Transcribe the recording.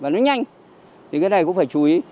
nó nhanh thì cái này cũng phải chú ý